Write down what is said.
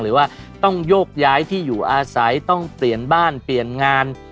หรือว่าต้องโยกย้ายที่อยู่อาศัยต้องเปลี่ยนบ้านเปลี่ยนงาน